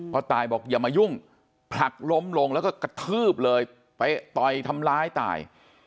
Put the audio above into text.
ตายบอกอย่ามายุ่งผลักล้มลงแล้วก็กระทืบเลยไปต่อยทำร้ายตาย